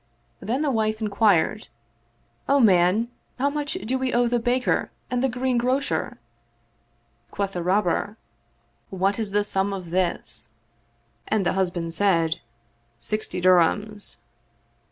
Then the wife in quired, " O man, how much do we owe the baker and the greengrocer?" Quoth the Robber, "What is the sum of this ?" And the husband said, " Sixty dirhams."